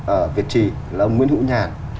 ở việt trì là ông nguyễn hữu nhàn